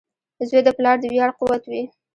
• زوی د پلار د ویاړ قوت وي.